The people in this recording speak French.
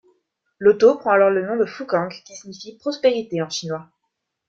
L'auto prend alors le nom de Fukang, qui signifie prospérité en chinois.